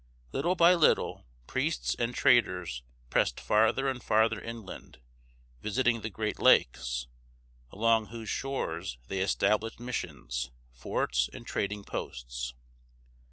Little by little, priests and traders pressed farther and farther inland, visiting the Great Lakes, along whose shores they established missions, forts, and trading posts.